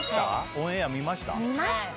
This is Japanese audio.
オンエア見ました？